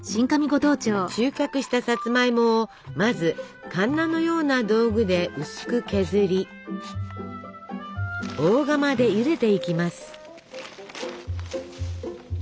収穫したさつまいもをまずかんなのような道具で薄く削り大釜でゆでていきます。